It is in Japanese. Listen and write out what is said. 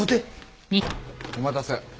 お待たせ。